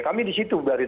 kami di situ